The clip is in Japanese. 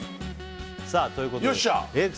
さあということでえっ